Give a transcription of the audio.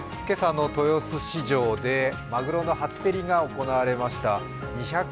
今朝の豊洲市場でマグロの初競りが行われました。